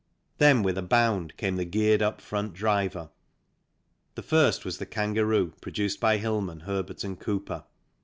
Then, with a bound came the geared up front driver ; the first was the Kangaroo, produced by Hillman, Herbert and Cooper.